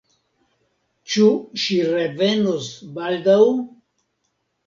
Ĉu ŝi revenos baldaŭ?